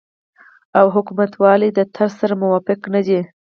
او حکومتولۍ د طرز سره موافق نه دي